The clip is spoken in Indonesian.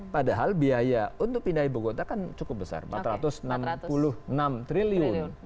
padahal biaya untuk pindah ibu kota kan cukup besar rp empat ratus enam puluh enam triliun